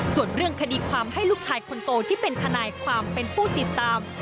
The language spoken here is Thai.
ส่วนเรื่องคดีความให้ลูกชายคนโตที่เป็นทนายความเป็นผู้ติดตาม